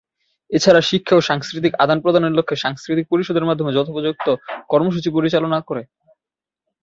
এছাড়া শিক্ষা ও সাংস্কৃতিক আদান-প্রদানের লক্ষ্যে সাংস্কৃতিক পরিষদের মাধ্যমে যথোপযুক্ত কর্মসূচী পরিচালনা করে।